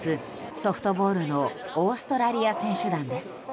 ソフトボールのオーストラリア選手団です。